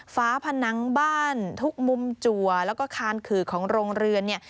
ฝาผนังบ้านทุกมุมจัวแล้วก็คานขื่อของโรงเรือนเนี่ย